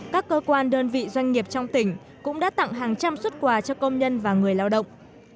các cơ quan đơn vị doanh nghiệp trong tỉnh cũng đã tặng hàng trăm xuất quà cho công nhân và người lao động